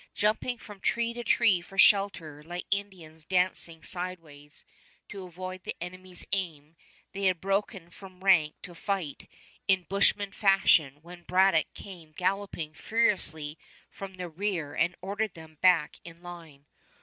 Jumping from tree to tree for shelter like Indians dancing sideways to avoid the enemy's aim, they had broken from rank to fight in bushman fashion when Braddock came galloping furiously from the rear and ordered them back in line.